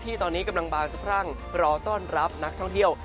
ที่ตอนนี้กำลังบาลสร้างเดี๋ยวรอต้อนรับนักท่องเที่ยว